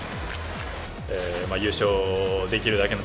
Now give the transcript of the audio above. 優勝できるだけの